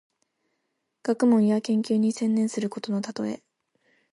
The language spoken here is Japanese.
学問や研究に専念することのたとえ。